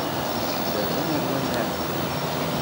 Mjellaben ar wayen iɛeddan.